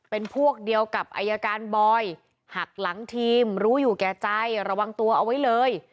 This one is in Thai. เป็นพวกเดียวกับอายการบอยหักหลังทีมรู้อยู่แก่ใจระวังตัวเอาไว้เลย